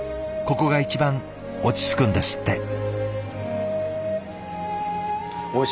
ここが一番落ち着くんですって。